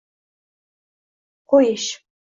qo'yish